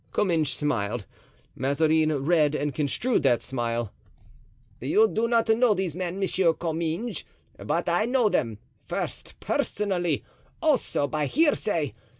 Comminges smiled; Mazarin read and construed that smile. "You do not know these men, Monsieur Comminges, but I know them, first personally, also by hearsay.